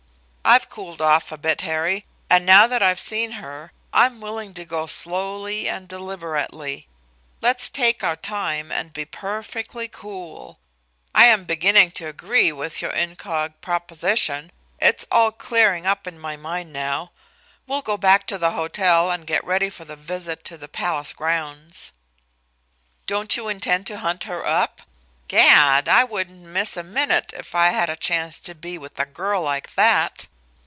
I've cooled off a bit, Harry, and, now that I've seen her, I'm willing to go slowly and deliberately. Let's take our time and be perfectly cool. I am beginning to agree with your incog. proposition. It's all clearing up in my mind now. We'll go back to the hotel and get ready for the visit to the palace grounds." "Don't you intend to hunt her up? 'Gad, I wouldn't miss a minute if I had a chance to be with a girl like that!